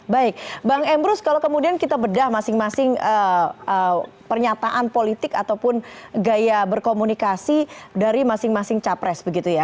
baik bang embrus kalau kemudian kita bedah masing masing pernyataan politik ataupun gaya berkomunikasi dari masing masing capres begitu ya